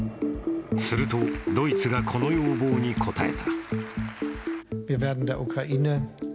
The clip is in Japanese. すると、ドイツがこの要望に応えた。